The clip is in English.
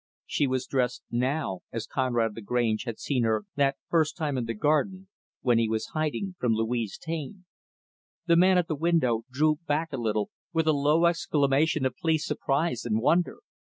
She was dressed, now, as Conrad Lagrange had seen her that first time in the garden, when he was hiding from Louise Taine. The man at the window drew a little back, with a low exclamation of pleased surprise and wonder.